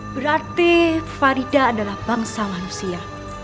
berarti farida adalah bangsa manusia